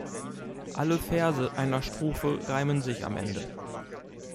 Alle Verse einer Strophe reimen sich am Ende.